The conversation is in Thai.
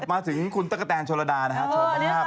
มาถึงคุณตะกะแตนโชลดานะครับ